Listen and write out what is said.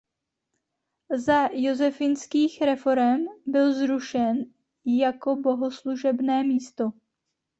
Za josefinských reforem byl zrušen jako bohoslužebné místo.